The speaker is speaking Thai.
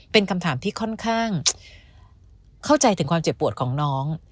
เป็นคำถามที่ค่อนข้างเข้าใจถึงความเจ็บปวดของน้อง